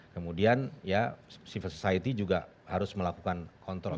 kemudian ya civil society juga harus melakukan kontrol